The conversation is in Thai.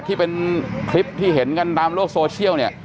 ที่เป็นคลิปที่เห็นกันตามโลกโซเชียลเนี่ย